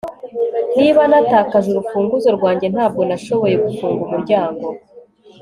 Niba natakaje urufunguzo rwanjye ntabwo nashoboye gufunga umuryango